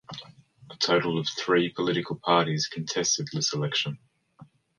A total of three political parties contested this election.